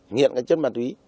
nghiện cái chất bàn túy